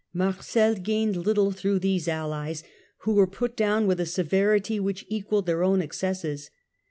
Marcel gained little through these allies, who were put down with a severity which equalled their own excesses.